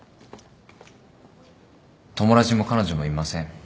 友達も彼女もいません。